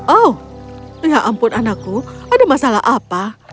oh ya ampun anakku ada masalah apa